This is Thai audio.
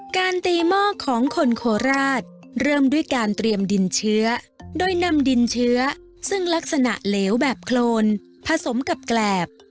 การตีหม้อของคนโคราชเริ่มด้วยการเตรียมดินเชื้อโดยนำดินเชื้อซึ่งลักษณะเหลวแบบโครนผสมกับแกรบ